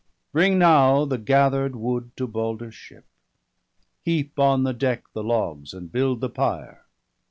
Bring now the gather'd wood to Balder's ship; Heap on the deck the logs, and build the pyre.'